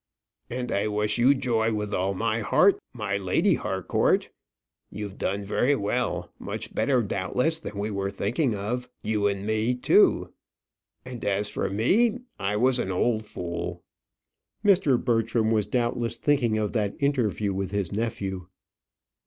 "And I wish you joy with all my heart, my Lady Harcourt. You've done very well much better doubtless than we were thinking of; you and me too. And as for me, I was an old fool." Mr. Bertram was doubtless thinking of that interview with his nephew.